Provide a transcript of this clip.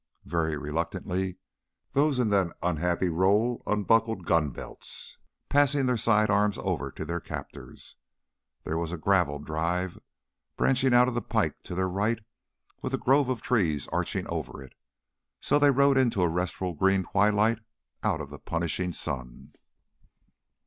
Very reluctantly those in that unhappy role unbuckled gun belts, passing their side arms over to their "captors." There was a graveled drive branching out of the pike to their right with a grove of trees arching over it, so they rode into a restful green twilight out of the punishing sun.